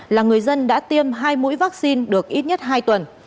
là người dân đã tiêm hai mũi vaccine được ít nhất hai tuần